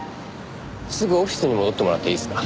すぐオフィスに戻ってもらっていいですか？